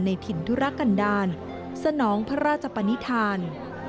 ในถิ่นทุรกันดานสนองพระราชปนิธาร